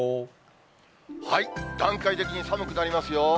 段階的に寒くなりますよ。